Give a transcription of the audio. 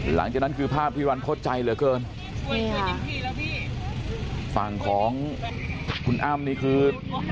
หลังจากนั้นคือภาพที่รันทดใจเหลือเกินนี่ค่ะฝั่งของคุณอ้ำนี่คือ